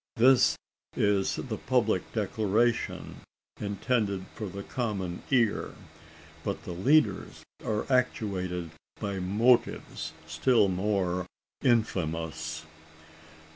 This is the public declaration, intended for the common ear. But the leaders are actuated by motives still more infamous.